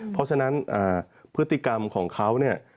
เพราะฉะนั้นพฤติกรรมของเขาเนี่ย